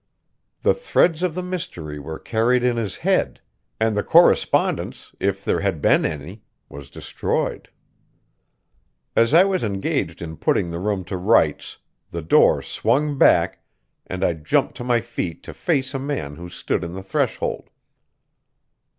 The threads of the mystery were carried in his head, and the correspondence, if there had been any, was destroyed. As I was engaged in putting the room to rights, the door swung back, and I jumped to my feet to face a man who stood on the threshold.